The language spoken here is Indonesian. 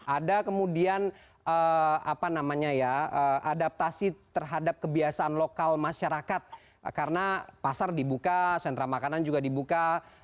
ada kemudian adaptasi terhadap kebiasaan lokal masyarakat karena pasar dibuka sentra makanan juga dibuka